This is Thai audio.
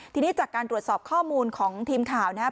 ทีนี้จากการตรวจสอบข้อมูลของทีมข่าวนะครับ